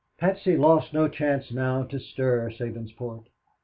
Patsy lost no chance now to stir Sabinsport.